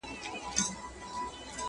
چي خپه راڅخه نه سې په پوښتنه.!